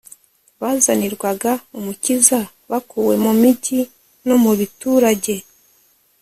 bazanirwaga Umukiza bakuwe mu mijyi no mu biturage